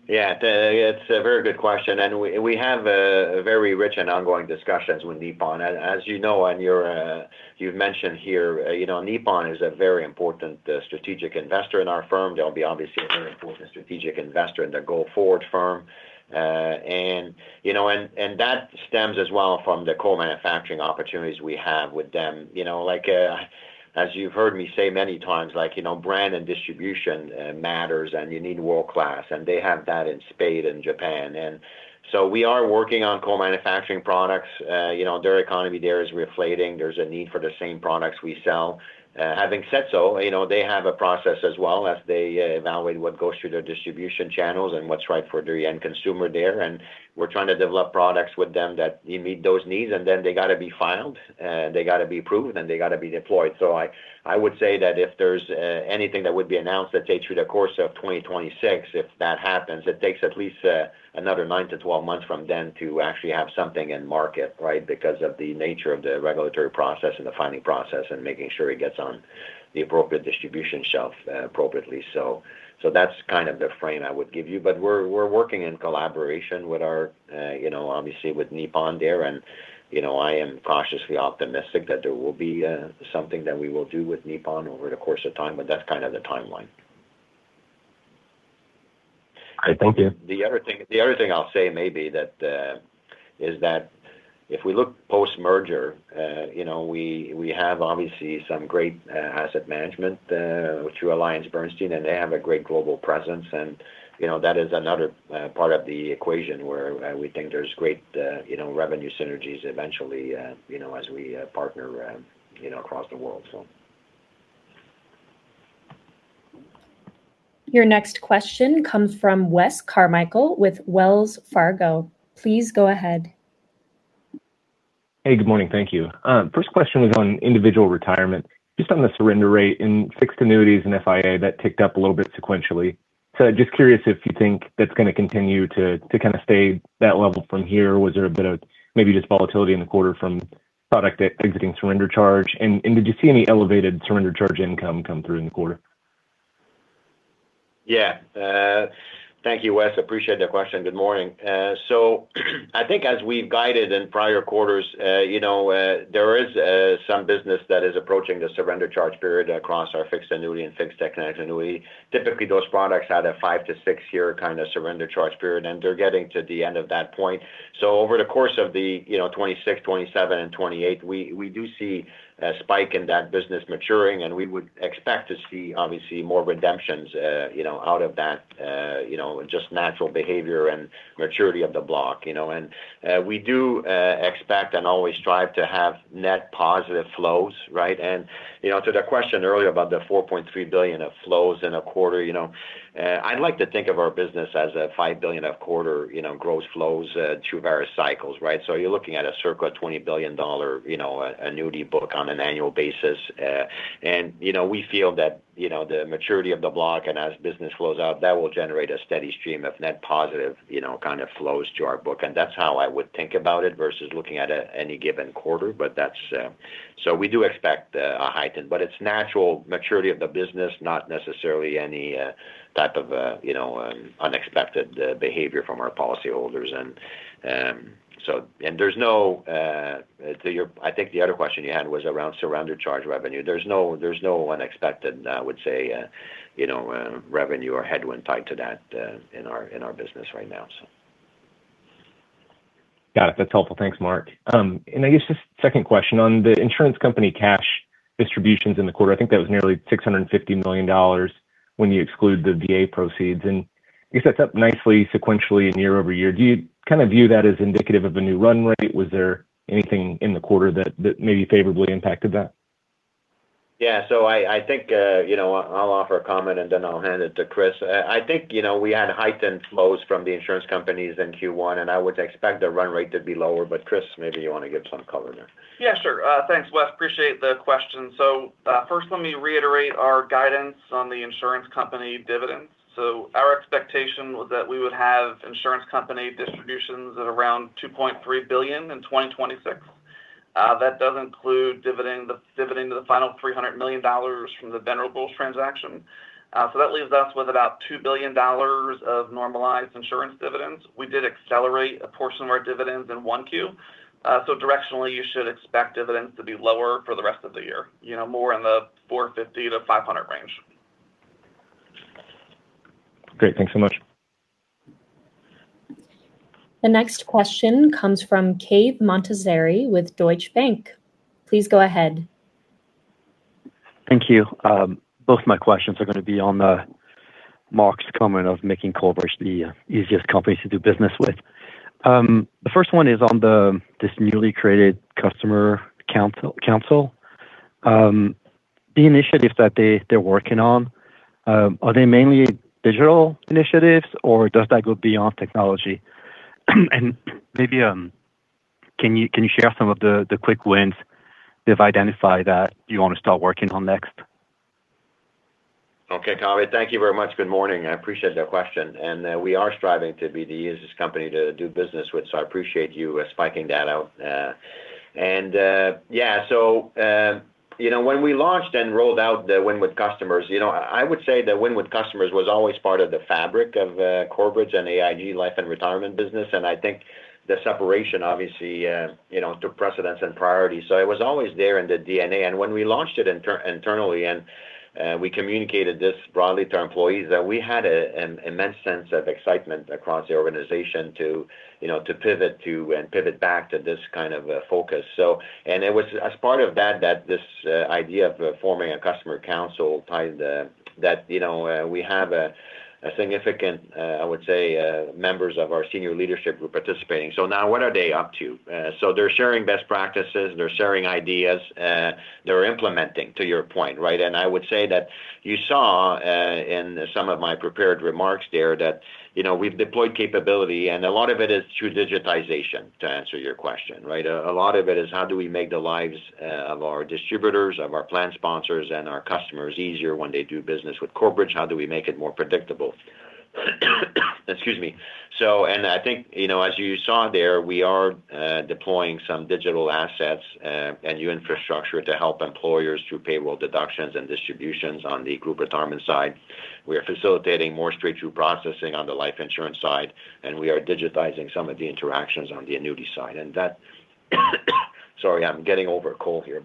Yeah. It's a very good question, and we have very rich and ongoing discussions with Nippon. As you know, and you're, you've mentioned here, Nippon is a very important strategic investor in our firm. They'll be obviously a very important strategic investor in the go-forward firm. And that stems as well from the co-manufacturing opportunities we have with them. As you've heard me say many times, brand and distribution matters, and you need world-class, and they have that in spade in Japan. We are working on co-manufacturing products. Their economy there is re-inflating. There's a need for the same products we sell. Having said so, you know, they have a process as well as they evaluate what goes through their distribution channels and what's right for the end consumer there. We're trying to develop products with them that meet those needs, and then they gotta be filed, they gotta be approved, and they gotta be deployed. I would say that if there's anything that would be announced that takes through the course of 2026, if that happens, it takes at least another 9-12 months from then to actually have something in market, right? Because of the nature of the regulatory process and the filing process and making sure it gets on the appropriate distribution shelf appropriately. That's kind of the frame I would give you. We're working in collaboration with our, you know, obviously with Nippon there. You know, I am cautiously optimistic that there will be something that we will do with Nippon over the course of time. That's kind of the timeline. All right. Thank you. The other thing I'll say maybe that, is that if we look post-merger, you know, we have obviously some great asset management through AllianceBernstein, and they have a great global presence and, you know, that is another part of the equation where, we think there's great, you know, revenue synergies eventually, you know, as we partner, you know, across the world. Your next question comes from Wesley Carmichael with Wells Fargo. Please go ahead. Hey, good morning. Thank you. First question was on Individual Retirement. Just on the surrender rate in fixed-indexed annuities and FIA, that ticked up a little bit sequentially. Just curious if you think that's gonna continue to kind of stay that level from here. Was there a bit of maybe just volatility in the quarter from product exiting surrender charge? Did you see any elevated surrender charge income come through in the quarter? Yeah. Thank you, Wes. Appreciate the question. Good morning. I think as we've guided in prior quarters, you know, there is some business that is approaching the surrender charge period across our fixed annuity and fixed indexed annuity. Typically, those products have a five to six year kind of surrender charge period, and they're getting to the end of that point. Over the course of the, you know, 2026, 2027, and 2028, we do see a spike in that business maturing, and we would expect to see obviously more redemptions, you know, out of that, you know, just natural behavior and maturity of the block. We do expect and always strive to have net positive flows, right? You know, to the question earlier about the $4.3 billion of flows in a quarter, you know, I'd like to think of our business as a $5 billion a quarter, you know, gross flows, through various cycles, right? You're looking at a circa $20 billion, you know, annuity book on an annual basis. You know, we feel that, you know, the maturity of the block and as business flows out, that will generate a steady stream of net positive, you know, kind of flows to our book. That's how I would think about it versus looking at any given quarter. That's. We do expect a heightened. It's natural maturity of the business, not necessarily any type of, you know, unexpected behavior from our policyholders. There's no, I think the other question you had was around surrender charge revenue. There's no, there's no unexpected, I would say, you know, revenue or headwind tied to that, in our business right now. Got it. That's helpful. Thanks, Marc. I guess just second question on the insurance company cash distributions in the quarter, I think that was nearly $650 million when you exclude the VA proceeds, and it sets up nicely sequentially in year-over-year. Do you kind of view that as indicative of a new run rate? Was there anything in the quarter that maybe favorably impacted that? Yeah. I think, you know, I'll offer a comment, and then I'll hand it to Chris. I think, you know, we had heightened flows from the insurance companies in Q1, and I would expect the run rate to be lower. Chris, maybe you want to give some color there. Yeah, sure. Thanks, Wes. Appreciate the question. First, let me reiterate our guidance on the insurance company dividends. Our expectation was that we would have insurance company distributions at around $2.3 billion in 2026. That does include dividend, the dividend of the final $300 million from the Venerable transaction. That leaves us with about $2 billion of normalized insurance dividends. We did accelerate a portion of our dividends in 1Q, directionally, you should expect dividends to be lower for the rest of the year, you know, more in the $450-$500 range. Great. Thanks so much. The next question comes from Cave Montazeri with Deutsche Bank. Please go ahead. Thank you. Both my questions are gonna be on Marc's comment of making Corebridge the easiest company to do business with. The first one is on this newly created customer council. The initiatives that they're working on, are they mainly digital initiatives, or does that go beyond technology? Maybe, can you share some of the quick wins you've identified that you want to start working on next? Okay, Cave. Thank you very much. Good morning. I appreciate the question. We are striving to be the easiest company to do business with, so I appreciate you spiking that out. You know, when we launched and rolled out the win with customers, you know, I would say the win with customers was always part of the fabric of Corebridge and AIG Life & Retirement business. I think the separation, obviously, you know, took precedence and priority. It was always there in the DNA. When we launched it internally and we communicated this broadly to our employees, that we had an immense sense of excitement across the organization to, you know, to pivot to and pivot back to this kind of focus. And it was as part of that this idea of forming a customer council tied, that, you know, we have a significant, I would say, members of our senior leadership group participating. Now what are they up to? They're sharing best practices, they're sharing ideas, they're implementing, to your point, right? And I would say that you saw in some of my prepared remarks there that, you know, we've deployed capability, and a lot of it is through digitization, to answer your question, right? A lot of it is how do we make the lives of our distributors, of our plan sponsors and our customers easier when they do business with Corebridge. How do we make it more predictable? Excuse me. I think, you know, as you saw there, we are deploying some digital assets and new infrastructure to help employers through payroll deductions and distributions on the Group Retirement side. We are facilitating more straight-through processing on the Life Insurance side, and we are digitizing some of the interactions on the annuity side. Sorry, I'm getting over a cold here.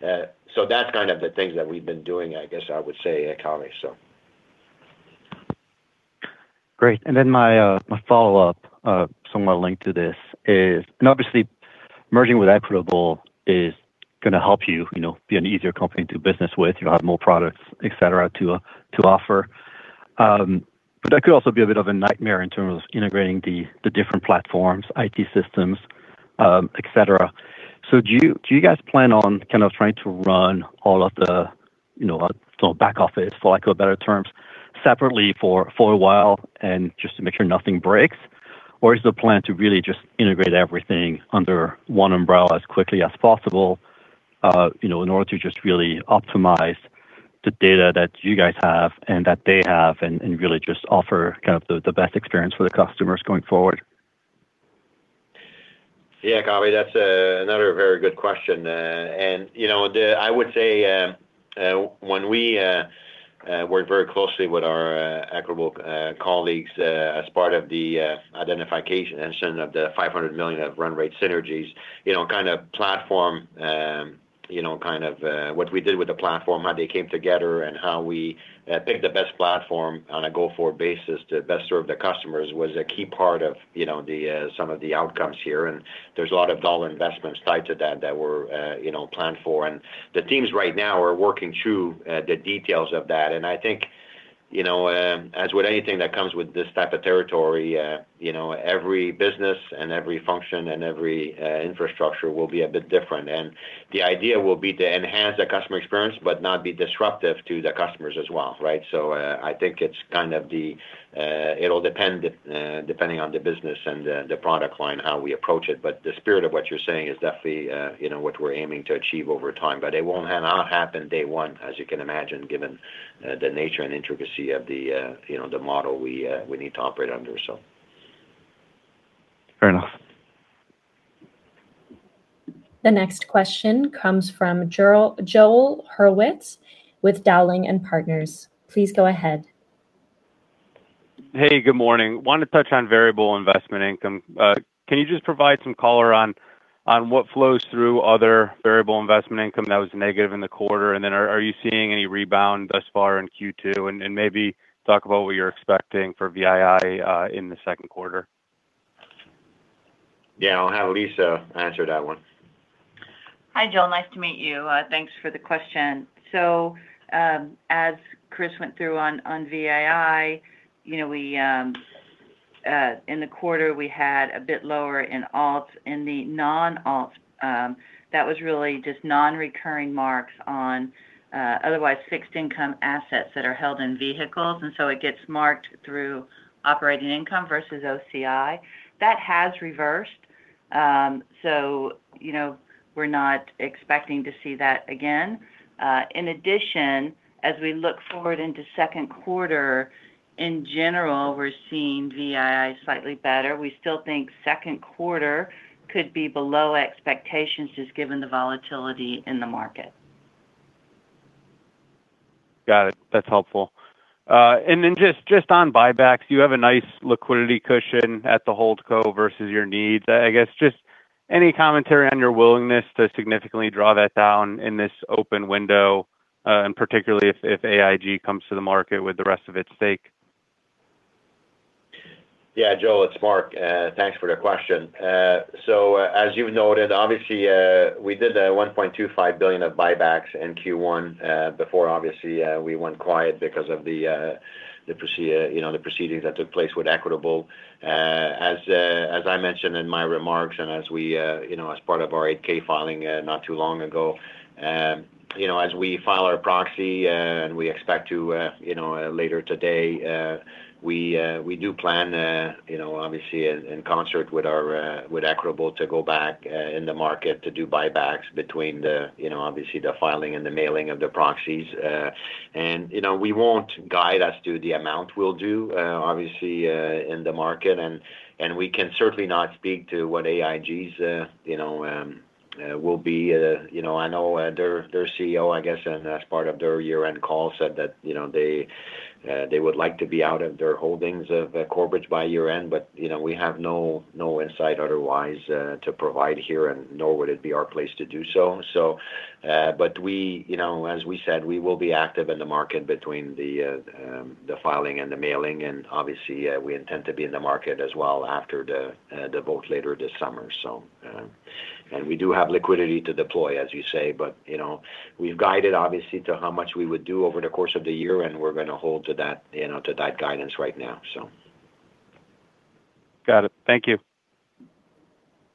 That's kind of the things that we've been doing, I guess I would say, Cave. Great. My follow-up, somewhat linked to this is, merging with Equitable is gonna help you know, be an easier company to do business with. You'll have more products, et cetera, to offer. That could also be a bit of a nightmare in terms of integrating the different platforms, IT systems, et cetera. Do you guys plan on kind of trying to run all of the, you know, back office, for lack of a better terms, separately for a while and just to make sure nothing breaks? Is the plan to really just integrate everything under one umbrella as quickly as possible, you know, in order to just really optimize the data that you guys have and that they have and really just offer kind of the best experience for the customers going forward? Yeah, Cave, that's another very good question. You know, I would say, when we worked very closely with our Equitable colleagues, as part of the identification and sending of the $500 million of run rate synergies, you know, kind of platform, you know, kind of, what we did with the platform, how they came together, and how we picked the best platform on a go-forward basis to best serve the customers was a key part of, you know, the some of the outcomes here. There's a lot of dollar investments tied to that that were, you know, planned for. The teams right now are working through the details of that. I think, you know, as with anything that comes with this type of territory, you know, every business and every function and every infrastructure will be a bit different. The idea will be to enhance the customer experience but not be disruptive to the customers as well, right? I think it's kind of the, it'll depend, depending on the business and the product line, how we approach it. The spirit of what you're saying is definitely, you know, what we're aiming to achieve over time. It won't happen day one, as you can imagine, given the nature and intricacy of the, you know, the model we need to operate under. Fair enough. The next question comes from Joel Hurwitz with Dowling & Partners. Please go ahead. Hey, good morning. I want to touch on variable investment income. Can you just provide some color on? On what flows through other variable investment income that was negative in the quarter, are you seeing any rebound thus far in Q2? Maybe talk about what you're expecting for VII in the second quarter. Yeah. I'll have Lisa answer that one. Hi, Joel. Nice to meet you. Thanks for the question. As Chris went through on VII, you know, we in the quarter, we had a bit lower in alts. In the non-alt, that was really just non-recurring marks on otherwise fixed income assets that are held in vehicles, and so it gets marked through operating income versus OCI. That has reversed. You know, we're not expecting to see that again. In addition, as we look forward into second quarter, in general, we're seeing VII slightly better. We still think second quarter could be below expectations just given the volatility in the market. Got it. That's helpful. Then just on buybacks, you have a nice liquidity cushion at the Holdco versus your needs. I guess, just any commentary on your willingness to significantly draw that down in this open window, and particularly if AIG comes to the market with the rest of its stake. Yeah, Joel, it's Marc. Thanks for the question. As you noted, obviously, we did $1.25 billion of buybacks in Q1 before obviously, we went quiet because of the, you know, the proceedings that took place with Equitable. As I mentioned in my remarks and as we, you know, as part of our Form 8-K filing not too long ago, you know, as we file our proxy, and we expect to, you know, later today, we do plan, you know, obviously in concert with our, with Equitable to go back in the market to do buybacks between the, you know, obviously the filing and the mailing of the proxies. You know, we won't guide as to the amount we'll do, obviously, in the market, and we can certainly not speak to what AIG's, you know, will be. You know, I know, their CEO, I guess, as part of their year-end call said that, you know, they would like to be out of their holdings of Corebridge by year-end. You know, we have no insight otherwise to provide here, and nor would it be our place to do so. We, you know, as we said, we will be active in the market between the filing and the mailing, and obviously, we intend to be in the market as well after the vote later this summer. We do have liquidity to deploy, as you say, but, you know, we've guided obviously to how much we would do over the course of the year, and we're gonna hold to that, you know, to that guidance right now, so. Got it. Thank you.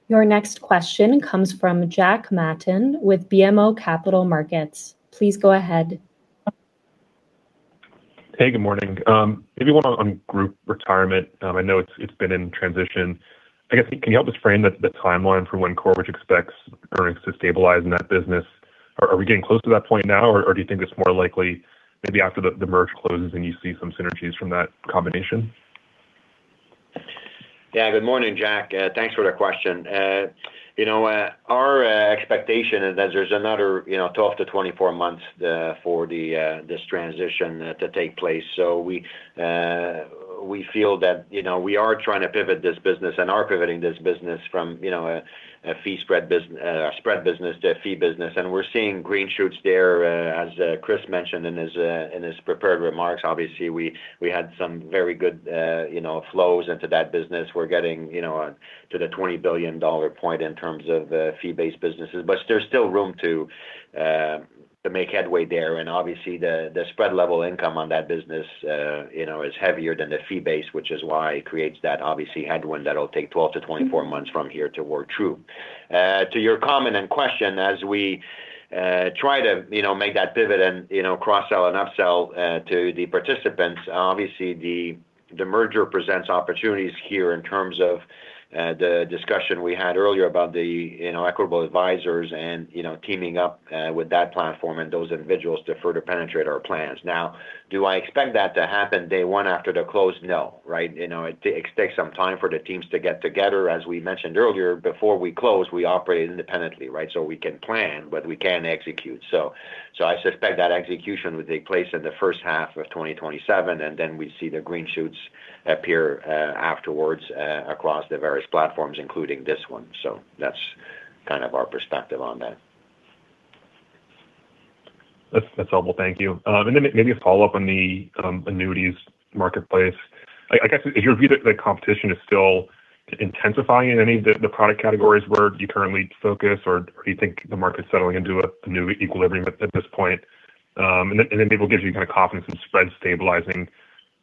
Your next question comes from Jack Matten with BMO Capital Markets. Please go ahead. Good morning. Maybe one on Group Retirement. I know it's been in transition. I guess, can you help us frame the timeline for when Corebridge expects earnings to stabilize in that business? Are we getting close to that point now, or do you think it's more likely maybe after the merger closes and you see some synergies from that combination? Yeah, good morning, Jack. Thanks for the question. You know, our expectation is that there's another, you know, 12-24 months for this transition to take place. We feel that, you know, we are trying to pivot this business and are pivoting this business from, you know, a fee spread business to a fee business, and we're seeing green shoots there, as Chris mentioned in his prepared remarks. Obviously, we had some very good, you know, flows into that business. We're getting, you know, to the $20 billion point in terms of fee-based businesses. There's still room to make headway there, and obviously the spread level income on that business, you know, is heavier than the fee base, which is why it creates that obviously headwind that'll take 12-24 months from here to work through. To your comment and question, as we try to, you know, make that pivot and, you know, cross-sell and up-sell to the participants, obviously the merger presents opportunities here in terms of the discussion we had earlier about the, you know, Equitable Advisors and, you know, teaming up with that platform and those individuals to further penetrate our plans. Do I expect that to happen day one after the close? No. It takes some time for the teams to get together. As we mentioned earlier, before we close, we operate independently, right? We can plan, but we can't execute. I suspect that execution will take place in the first half of 2027, and then we see the green shoots appear afterwards across the various platforms, including this one. That's kind of our perspective on that. That's helpful. Thank you. Then maybe a follow-up on the annuities marketplace. I guess, is your view that the competition is still intensifying in any of the product categories where you currently focus, or do you think the market's settling into a annuity equilibrium at this point? Then maybe it gives you kind of confidence in spreads stabilizing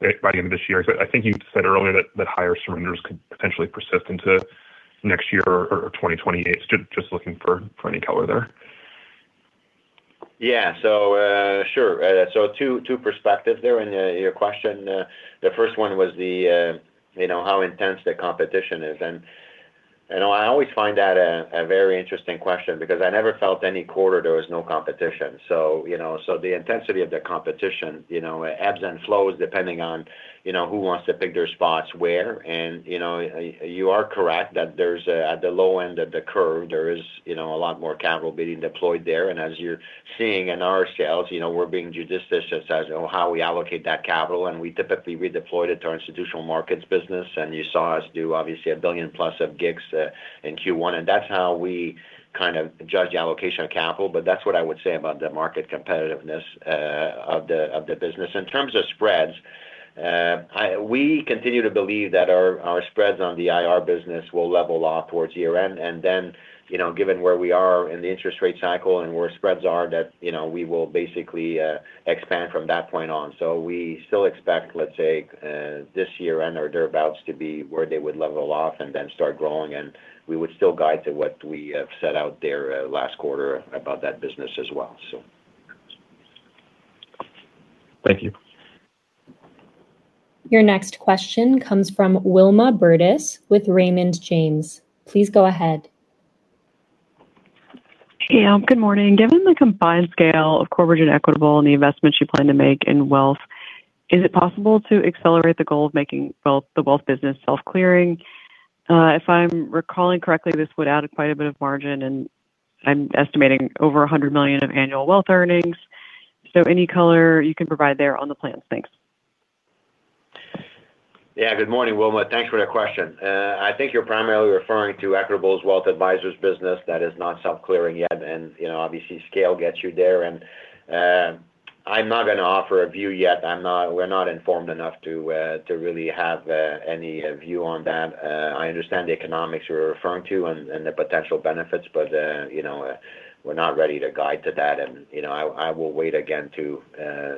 by the end of this year. I think you said earlier that higher surrenders could potentially persist into next year or 2028. Just looking for any color there. Yeah. Sure. So two perspectives there in your question. The first one was the, you know, how intense the competition is. You know, I always find that a very interesting question because I never felt any quarter there was no competition. You know, the intensity of the competition, you know, it ebbs and flows depending on, you know, who wants to pick their spots where. You know, you are correct that at the low end of the curve, there is, you know, a lot more capital being deployed there. As you're seeing in our sales, you know, we're being judicious as how we allocate that capital, and we typically redeploy it to our Institutional Markets business. You saw us do obviously $1 billion plus of GICs in Q1. That's how we kind of judge the allocation of capital, but that's what I would say about the market competitiveness of the business. In terms of spreads. We continue to believe that our spreads on the IR business will level off towards year-end. Given where we are in the interest rate cycle and where spreads are that, you know, we will basically expand from that point on. We still expect, let's say, this year-end or thereabouts to be where they would level off and then start growing. We would still guide to what we have set out there, last quarter about that business as well. Thank you. Your next question comes from Wilma Burdis with Raymond James. Please go ahead. Good morning. Given the combined scale of Corebridge and Equitable and the investments you plan to make in wealth, is it possible to accelerate the goal of making wealth, the wealth business self-clearing? If I'm recalling correctly, this would add quite a bit of margin, and I'm estimating over $100 million of annual wealth earnings. Any color you can provide there on the plans. Thanks. Yeah. Good morning, Wilma. Thanks for that question. I think you're primarily referring to Equitable's Wealth Advisors business that is not self-clearing yet. You know, obviously scale gets you there. I'm not gonna offer a view yet. We're not informed enough to really have any view on that. I understand the economics you're referring to and the potential benefits, but, you know, we're not ready to guide to that. You know, I will wait again to,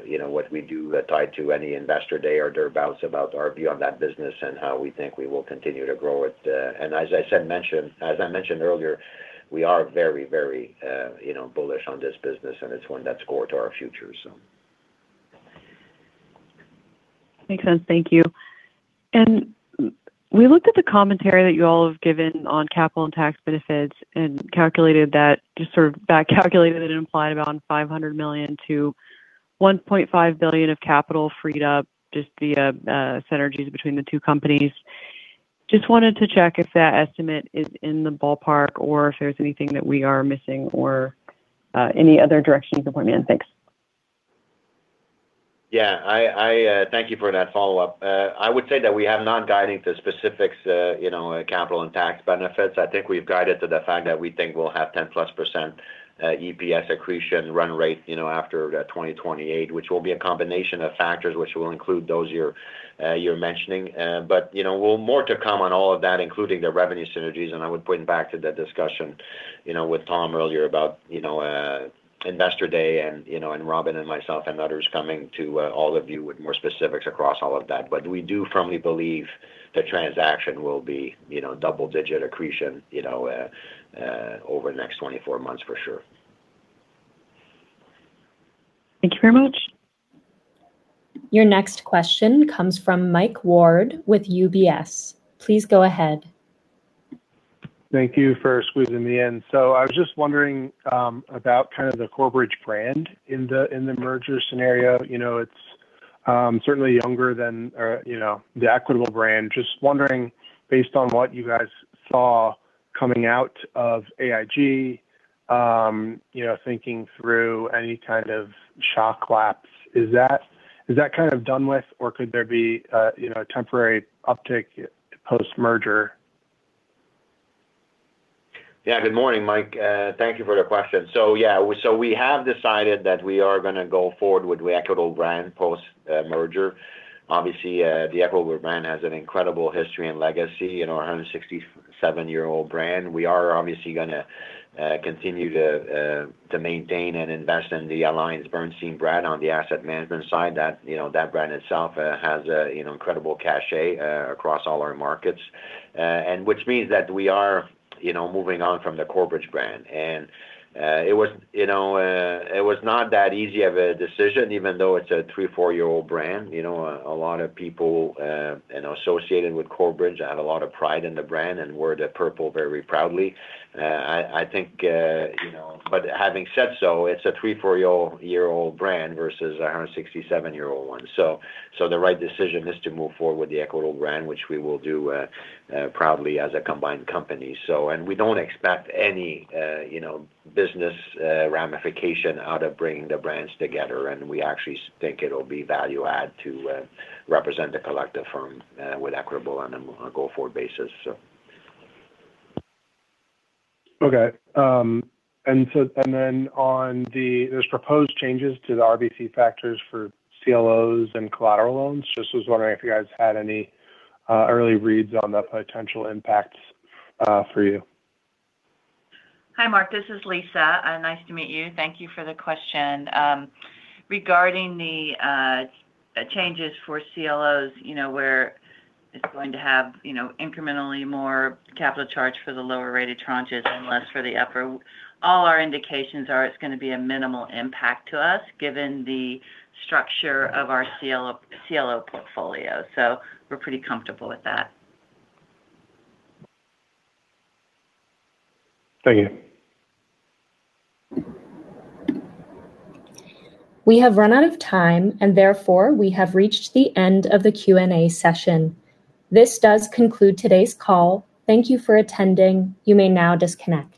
you know, what we do tied to any investor day or thereabouts about our view on that business and how we think we will continue to grow it. As I mentioned earlier, we are very, very, you know, bullish on this business, and it's one that's core to our future. Makes sense. Thank you. We looked at the commentary that you all have given on capital and tax benefits and calculated that, just sort of back calculated it implied around $500 million to $1.5 billion of capital freed up, just via synergies between the two companies. Just wanted to check if that estimate is in the ballpark or if there's anything that we are missing or any other direction you can point me in. Thanks. Yeah. I, thank you for that follow-up. I would say that we have non-guiding to specifics, you know, capital and tax benefits. I think we've guided to the fact that we think we'll have 10%+ EPS accretion run rate, you know, after 2028, which will be a combination of factors which will include those you're mentioning. You know, we'll more to come on all of that, including the revenue synergies. I would point back to the discussion, you know, with Thomas Gallagher earlier about, you know, Investor Day and, you know, Robin and myself and others coming to all of you with more specifics across all of that. We do firmly believe the transaction will be, you know, double-digit accretion, you know, over the next 24 months for sure. Thank you very much. Your next question comes from Michael Ward with UBS. Please go ahead. Thank you for squeezing me in. I was just wondering about kind of the Corebridge brand in the merger scenario. You know, it's certainly younger than, you know, the Equitable brand. Just wondering, based on what you guys saw coming out of AIG, you know, thinking through any kind of shock lapse, is that kind of done with, or could there be a, you know, a temporary uptick post-merger? Yeah. Good morning, Mike. Thank you for the question. Yeah, so we have decided that we are gonna go forward with the Equitable brand post merger. Obviously, the Equitable brand has an incredible history and legacy, you know, a 167-year-old brand. We are obviously gonna continue to maintain and invest in the AllianceBernstein brand on the asset management side. That, you know, brand itself has a, you know, incredible cachet across all our markets. Which means that we are, you know, moving on from the Corebridge brand. It was, you know, not that easy of a decision, even though it's a three, four-year-old brand. You know, a lot of people, you know, associated with Corebridge had a lot of pride in the brand and wore the purple very proudly. You know, having said so, it's a three, four-year-old brand versus a 167-year-old one. The right decision is to move forward with the Equitable brand, which we will do proudly as a combined company. We don't expect any, you know, business ramification out of bringing the brands together, and we actually think it'll be value add to represent the collective firm with Equitable on a go-forward basis. Okay. There's proposed changes to the RBC factors for CLOs and collateral loans. Just was wondering if you guys had any early reads on the potential impacts for you? Hi, Marc, this is Lisa. Nice to meet you. Thank you for the question. Regarding the changes for CLOs, you know, where it's going to have, you know, incrementally more capital charge for the lower-rated tranches and less for the upper, all our indications are it's gonna be a minimal impact to us, given the structure of our CLO portfolio. We're pretty comfortable with that. Thank you. We have run out of time, and therefore, we have reached the end of the Q&A session. This does conclude today's call. Thank you for attending. You may now disconnect.